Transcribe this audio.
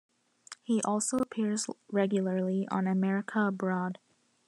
He also appears regularly on "America Abroad".